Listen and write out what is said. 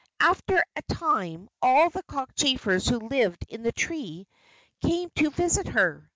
After a time, all the cockchafers who lived in the tree came to visit her.